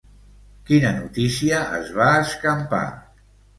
Quina notícia es va escampar?